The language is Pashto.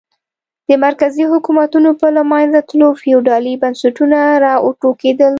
د مرکزي حکومتونو په له منځه تلو فیوډالي بنسټونه را وټوکېدل.